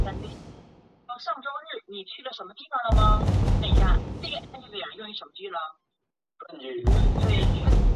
迥澜风雨桥的历史年代为明。